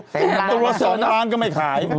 ตัวสองล้านก็ไม่ขาย